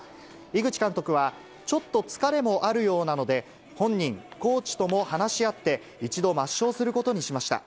井口監督は、ちょっと疲れもあるようなので、本人、コーチとも話し合って、一度抹消することにしました。